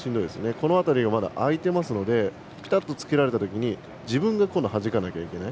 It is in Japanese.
この辺り、まだ空いているのでピタッとつけられたときに自分が今度はじかなきゃいけない。